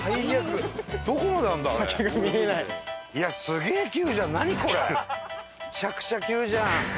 めちゃくちゃ急じゃん！